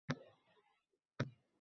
— Kim biladi, — dedi.